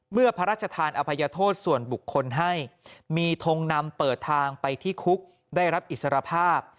พระราชทานอภัยโทษส่วนบุคคลให้มีทงนำเปิดทางไปที่คุกได้รับอิสรภาพ